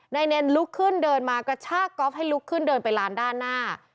นายเนนลุกขึ้นเดินมากระชากก๊อฟให้ลุกขึ้นเดินไปร้านด้านหน้า